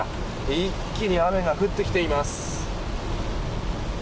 一気に雨が降ってきています。